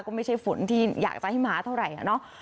ก็ไม่ใช่ฝนที่อยากจะให้มาเท่าไหร่เนอะ